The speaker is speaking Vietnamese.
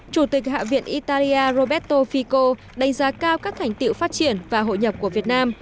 chủ tịch hạ viện italia roberto fico đánh giá cao các thành tiệu phát triển và hội nhập của việt nam